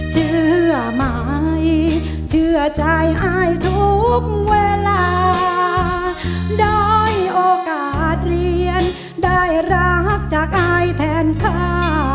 เชื่อไหมเชื่อใจอายทุกเวลาได้โอกาสเรียนได้รักจากอายแทนค่ะ